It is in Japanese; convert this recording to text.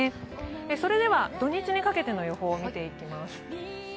それでは土日にかけての予報を見ていきます。